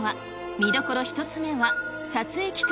見どころ一つ目は、撮影期間